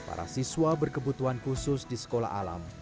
para siswa beberapa perubatan di sekolah alam